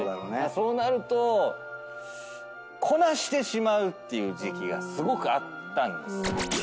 そうなるとこなしてしまうっていう時期がすごくあったんです。